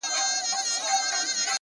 • غازي دغه یې وخت دی د غزا په کرنتین کي,